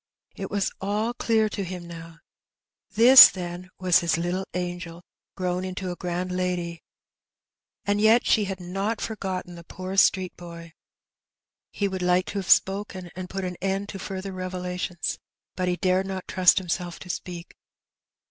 It was all clear to him now. This, then, was his little angel, grown into a grand lady ! and yet she had not forgotten the poor street Recognition. 259 boy. He would like to have spoken, and put an end to fiirther revelations, bat lie dared not trust himself to speak.